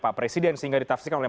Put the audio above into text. pak presiden sehingga ditafsirkan oleh